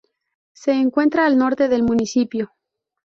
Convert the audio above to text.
Se encuentra al norte del municipio.